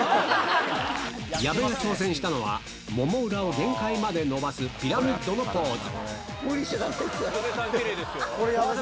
矢部が挑戦したのは、もも裏を限界まで伸ばすピラミッドのポーズ。